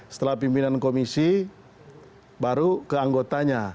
setelah pimpinan komisi baru ke anggotanya